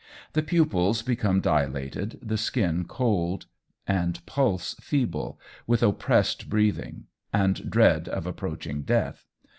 The pupils become dilated, the skin cold, and pulse feeble, with oppressed breathing, and dread of approaching death.